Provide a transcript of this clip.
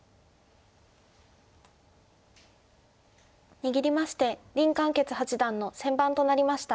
握りまして林漢傑八段の先番となりました。